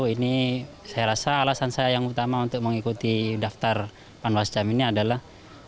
ini saya rasa alasan saya yang utama untuk mengikuti daftar panwascam ini adalah